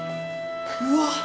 うわっ！